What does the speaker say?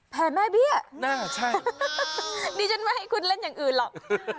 แม่เบี้ยน่าใช่ดิฉันไม่ให้คุณเล่นอย่างอื่นหรอก